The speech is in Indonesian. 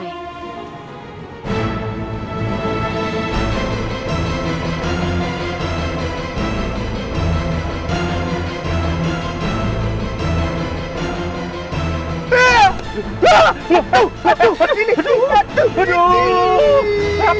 mari kita coba bertengkar